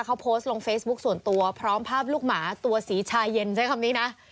เขาโพสต์ลงเฟซบุ๊คส่วนตัวพร้อมภาพลูกหมาตัวสีชายเย็นใช้คำนี้นะ